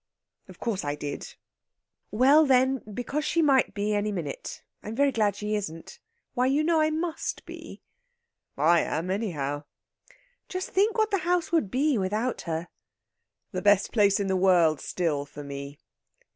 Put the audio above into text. "Of course I did! Well, then, because she might be any minute. I'm very glad she isn't. Why, you know I must be!" "I am, anyhow!" "Just think what the house would be without her!" "The best place in the world still for me."